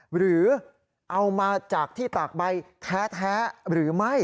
หรือเอามาจากที่ตากใบแท้หรือไม่